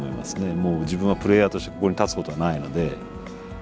もう自分はプレーヤーとしてここに立つことはないので。